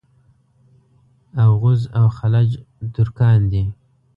اوغوز او خَلَج ترکان دي.